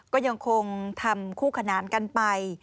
ก็ยังคงทำคู่ขนานกันไป